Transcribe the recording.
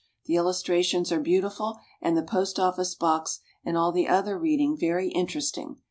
The illustrations are beautiful, and the Post office Box and all the other reading very interesting.